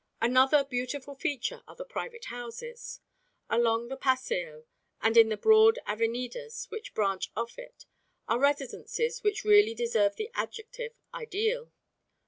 Another beautiful feature are the private houses. Along the Paseo and in the broad avenidas which branch off it are residences which really deserve the adjective "ideal."